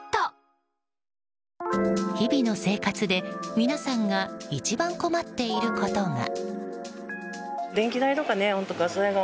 日々の生活で皆さんが一番困っていることが。